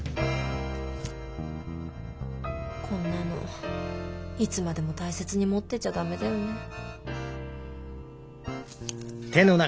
こんなのいつまでも大切に持ってちゃダメだよね。